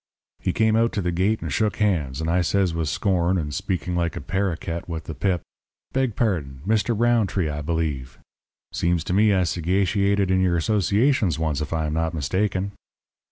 "He came out to the gate, and shook hands; and I says, with scorn, and speaking like a paroquet with the pip: 'Beg pardon Mr. Rountree, I believe. Seems to me I sagatiated in your associations once, if I am not mistaken.'